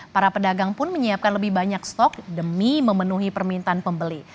para pedagang pun menyiapkan lebih banyak stok demi memenuhi permintaan pembeli